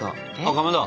かまど。